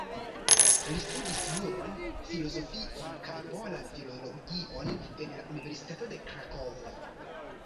Li studis juron, filozofion kaj polan filologion en la universitato de Krakovo.